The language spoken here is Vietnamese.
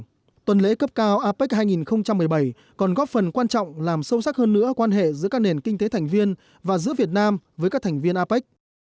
trong tuần lễ cấp cao apec hai nghìn một mươi bảy còn góp phần quan trọng làm sâu sắc hơn nữa quan hệ giữa các nền kinh tế thành viên và giữa việt nam với các thành viên apec